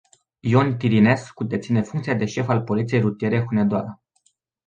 Ion Tirinescu deține funcția de șef al poliției rutiere Hunedoara.